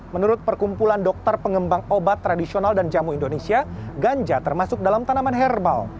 menurut perkumpulan dokter pengembang obat tradisional dan jamu indonesia ganja termasuk dalam tanaman herbal